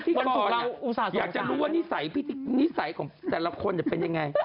พี่บอกว่าอยากจะรู้ว่านิสัยของแต่ละคนจะเป็นอย่างไร